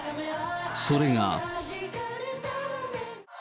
それが。